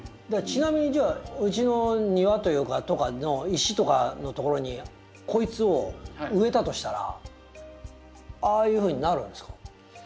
ちなみにじゃあうちの庭というかとかの石とかのところにこいつを植えたとしたらああいうふうになるんですか？